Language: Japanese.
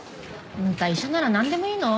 あんた医者ならなんでもいいの？